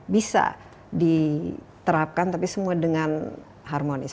bisa diterapkan tapi semua dengan harmonis